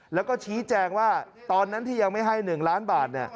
แล้วก็ชี้แจงว่าตอนนั้นที่ยังไม่ให้๑ล้านบาท